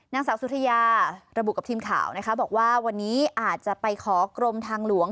นางสาวสุธิยาระบุกับทีมข่าวนะคะบอกว่าวันนี้อาจจะไปขอกรมทางหลวง